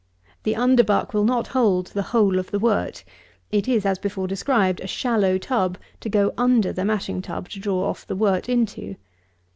The underbuck will not hold the whole of the wort. It is, as before described, a shallow tub, to go under the mashing tub to draw off the wort into.